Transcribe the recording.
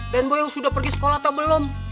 dan boy sudah pergi sekolah atau belum